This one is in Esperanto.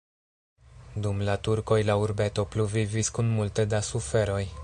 Dum la turkoj la urbeto pluvivis kun multe da suferoj.